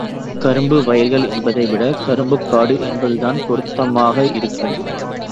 கரும்பு வயல்கள் என்பதைவிட, கரும்புக் காடு என்பதுதான் பொருத்தமாக இருக்கும்.